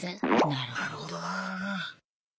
なるほどな。